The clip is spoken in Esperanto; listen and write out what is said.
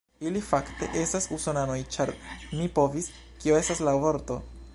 Ili fakte, estas usonanoj ĉar mi povis, kio estas la vorto?